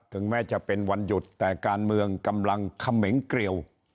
แม้จะเป็นวันหยุดแต่การเมืองกำลังเขมงเกลียว